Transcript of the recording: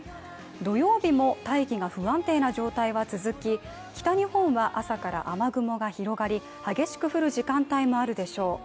土曜日も大気が不安定な状態は続き北日本は朝から雨雲が広がり激しく降る時間帯もあるでしょう。